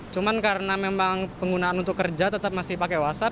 cuma karena memang penggunaan untuk kerja tetap masih pakai whatsapp